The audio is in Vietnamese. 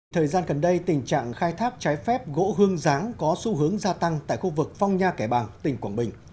thời gian gần đây tình trạng khai thác trái phép gỗ hương giáng có xu hướng gia tăng tại khu vực phong nha kẻ bàng tỉnh quảng bình